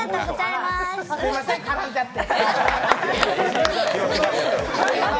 すいません、絡んじゃって。